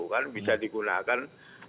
kan bisa digunakan